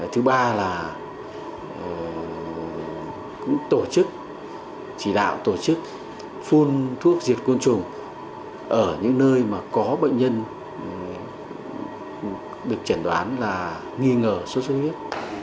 thứ ba là cũng tổ chức chỉ đạo tổ chức phun thuốc diệt côn trùng ở những nơi mà có bệnh nhân được chẩn đoán là nghi ngờ sốt xuất huyết